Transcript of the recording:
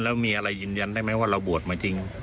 แล้วมีอะไรยืนยันได้ไหมว่าเราบวชมาจริง